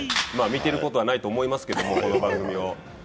見ていることはないと思いますけど、この番組を。